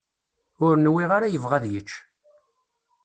Ur nwiɣ ara yebɣa ad yečč.